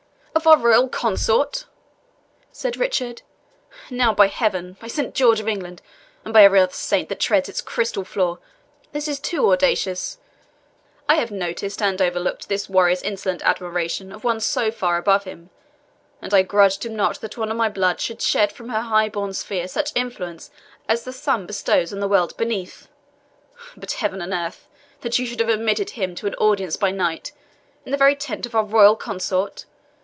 "Of our royal consort!" said Richard. "Now by Heaven, by Saint George of England, and every other saint that treads its crystal floor, this is too audacious! I have noticed and overlooked this warrior's insolent admiration of one so far above him, and I grudged him not that one of my blood should shed from her high born sphere such influence as the sun bestows on the world beneath. But, heaven and earth! that you should have admitted him to an audience by night, in the very tent of our royal consort!